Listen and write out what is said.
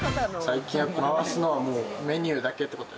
最近は回すのはもうメニューだけってこと。